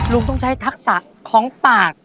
ลุงต้องใช้ทักษะของปาก